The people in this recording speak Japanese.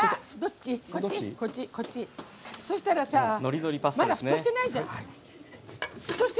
そうしたらばまだ、沸騰してないじゃん。